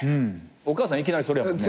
お母さんいきなりそれやもんね。